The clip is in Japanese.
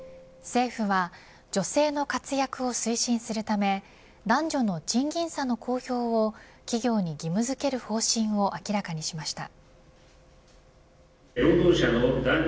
政府は女性の活躍を推進するため男女の賃金差の公表を企業に義務づける方針を明らかにしました。